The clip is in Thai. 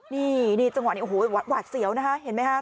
นี่นี่จังหวะนี้โอ้โหหวาดเสียวนะคะเห็นไหมฮะ